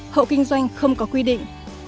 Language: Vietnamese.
hộ kinh doanh không có quy định